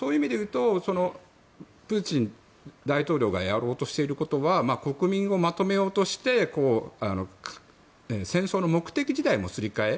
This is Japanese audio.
プーチン大統領がやろうとしていることは国民をまとめようとして戦争の目的自体のすり替え。